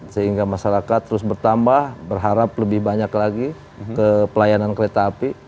sehingga masyarakat terus bertambah berharap lebih banyak lagi ke pelayanan kereta api